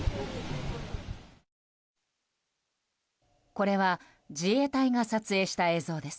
これは自衛隊が撮影した映像です。